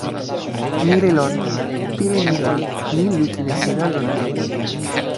ni li lon. pilin mi la mi lukin e sina lon ni.